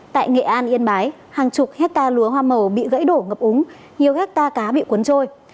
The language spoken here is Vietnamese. tại nghệ an yên bái hàng chục hectare lúa hoa màu bị gãy đổ ngập úng nhiều gácta cá bị cuốn trôi